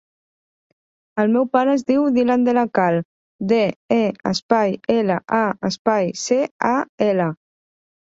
El meu pare es diu Dylan De La Cal: de, e, espai, ela, a, espai, ce, a, ela.